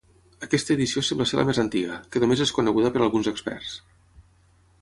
Aquesta edició sembla ser la més antiga, que només és coneguda per alguns experts.